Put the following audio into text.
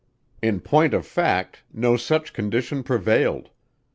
In point of fact, no such condition prevailed.